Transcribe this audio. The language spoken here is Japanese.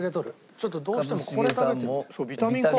ちょっとどうしてもこれ食べてみたい。